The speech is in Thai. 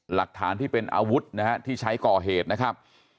หลักฐานที่เป็นอาวุธนะฮะที่ใช้ก่อเหตุนะครับ